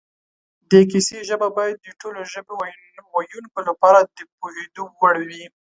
د کیسې ژبه باید د ټولو ژبې ویونکو لپاره د پوهېدو وړ وي